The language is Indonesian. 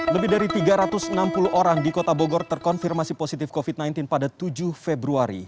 lebih dari tiga ratus enam puluh orang di kota bogor terkonfirmasi positif covid sembilan belas pada tujuh februari